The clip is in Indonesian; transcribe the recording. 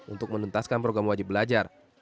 untuk menuntaskan program wajib belajar